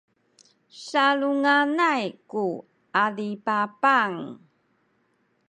salunganay ku adipapang